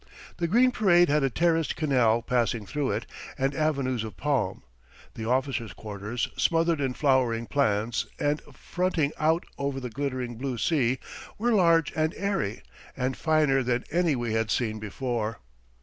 The green parade had a terraced canal passing through it, and avenues of palm; the officers' quarters, smothered in flowering plants and fronting out over the glittering blue sea, were large and airy and finer than any we had seen before.